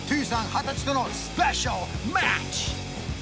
二十歳とのスペシャルマッチ！